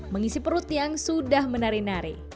mengisi perut yang sudah menari nari